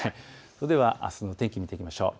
それではあすの天気、見ていきましょう。